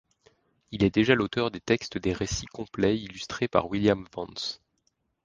Il est déjà l'auteur des textes des récits complets illustrés par William Vance.